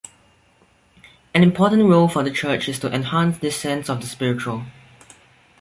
An important role of the church is to enhance this sense of the spiritual.